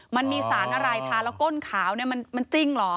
มันมีสารอะไรทาละก้นขาวเนี้ยมันมันจริงหรอ